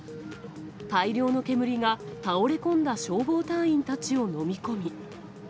大量の煙が倒れ込んだ消防隊員たちを飲み込み。